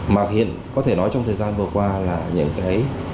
mà hiện có thể nói trong thời gian vừa qua là những cái